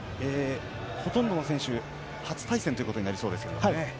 ほとんどの選手が初対戦ということになりそうですね。